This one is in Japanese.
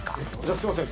すいません。